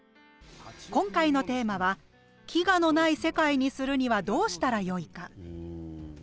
今回のテーマは「飢餓のない世界にするにはどうしたらよいか」。